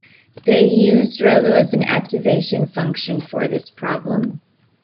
They used relu as an activation function for this problem.